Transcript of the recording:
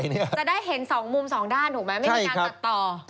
จะได้เห็นสองมุมสองด้านถูกไหมไม่มีการตัดต่อ